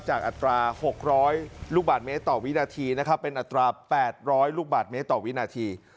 อัตรา๖๐๐ลูกบาทเมตรต่อวินาทีนะครับเป็นอัตรา๘๐๐ลูกบาทเมตรต่อวินาที